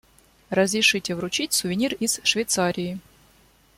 Разрешите вручить сувенир из Швейцарии.